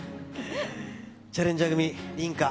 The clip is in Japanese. チャレンジャー組、リンカ。